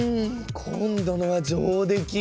今度のは上出来！